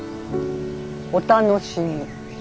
お楽しみ。